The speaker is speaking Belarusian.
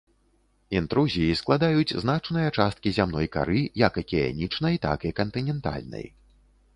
Інтрузіі складаюць значныя часткі зямной кары, як акіянічнай, так і кантынентальнай.